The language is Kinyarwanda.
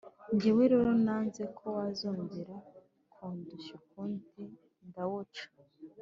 jyewe rero, nanze ko wazongera kundushya ukundi ndawuca.